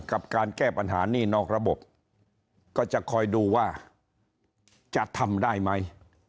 กับการแก้ปัญหานี่นอกระบบก็จะคอยดูว่าจะทำได้ไหม